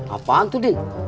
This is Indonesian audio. apaan tuh deng